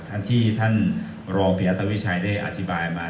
ท่านที่ท่านรองปีรัฐวิชัยได้อธิบายมา